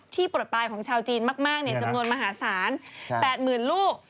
ที่ปลอดภัยของชาวจีนมากจำนวนมหาศาล๘หมื่นลูก